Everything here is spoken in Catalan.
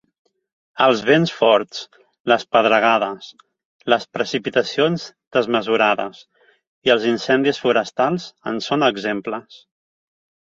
Els vents forts, les pedregades, les precipitacions desmesurades i els incendis forestals en són exemples.